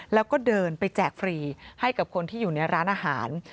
แล้วก็เดินไปแจกฟรีให้กับคนที่อยู่ในร้านอาหาร